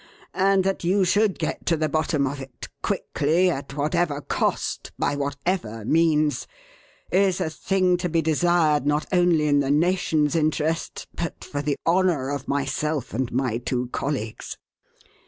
And that you should get to the bottom of it quickly, at whatever cost, by whatever means is a thing to be desired not only in the nation's interest, but for the honour of myself and my two colleagues."